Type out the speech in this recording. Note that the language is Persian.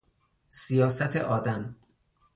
سیاست آدم